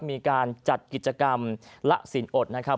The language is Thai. มีการจัดกิจกรรมละสินอดนะครับ